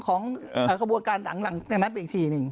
ขบวกการหลังแมพอีกทีนึง